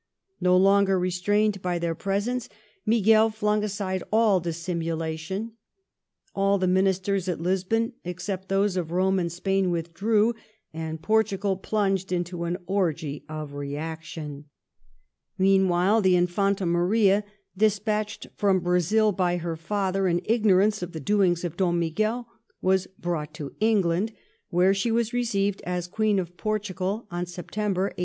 No longer restrained by their presence, Miguel flung aside all dis simulation ; all the Ministers at Lisbon, except those of Rome and Spain, withdi ew, and Portugal plunged into an orgy of reaction. Meanwhile, the Infanta Maria, dispatched from Brazil by her father in ignorance of the doings of Dom Miguel, was brought to England, where she was received as Queen of Portugal (Sept. 1828).